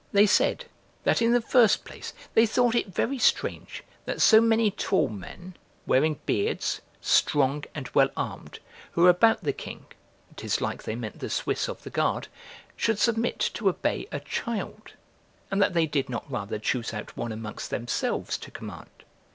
They said, that in the first place they thought it very strange that so many tall men, wearing beards, strong, and well armed, who were about the king ('tis like they meant the Swiss of the guard), should submit to obey a child, and that they did not rather choose out one amongst themselves to command.